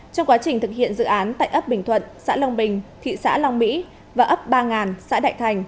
trong quá trình thực hiện dự án tại ấp bình thuận xã long bình thị xã long mỹ và ấp ba xã đại thành